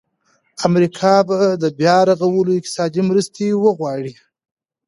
امریکا به د بیا رغولو اقتصادي مرستې وغواړي.